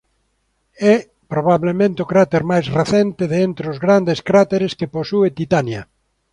É probablemente o cráter máis recente de entre os grandes cráteres que posúe Titania.